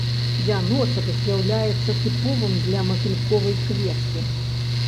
Вяночак з'яўляецца тыповым для матыльковай кветкі.